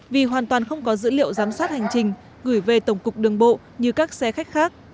vì hoàn toàn không có dữ liệu giám sát hành trình gửi về tổng cục đường bộ như các xe khách khác